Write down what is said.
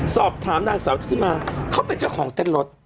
สอบถามนางสาวทุธิมาเขาเป็นเจ้าของเต้นรถ